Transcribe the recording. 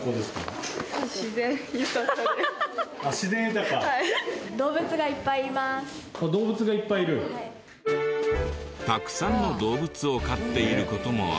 たくさんの動物を飼っている事もあり。